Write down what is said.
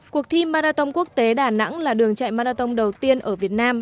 cuộc thi marathon quốc tế đà nẵng là đường chạy marathon đầu tiên ở việt nam